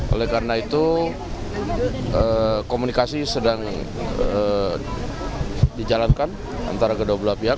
oleh karena itu komunikasi sedang dijalankan antara kedua belah pihak